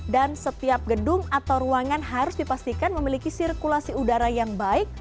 dan setiap gedung atau ruangan harus dipastikan memiliki sirkulasi